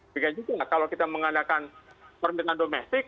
begitu juga kalau kita mengadakan permintaan domestik